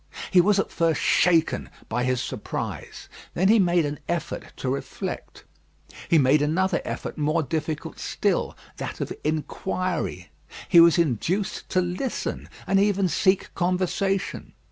He was at first shaken by his surprise; then he made an effort to reflect. He made another effort more difficult still, that of inquiry. He was induced to listen, and even seek conversation.